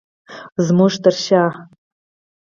زمونږ تر شاه